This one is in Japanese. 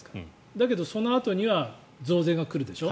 だけど、そのあとには増税が来るでしょ。